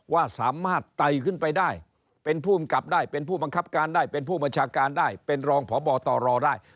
ว่าสามารถไต่ขึ้นไปได้เป็นผู้อำกับได้เป็นผู้บังคับการได้เป็นผู้บัญชาการได้เป็นรองพบตรได้